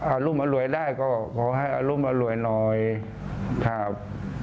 อารมณ์อร่วยได้ก็ขอให้อารมณ์อร่วยหน่อยครับ